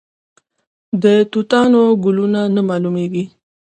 د توتانو ګلونه نه معلومیږي؟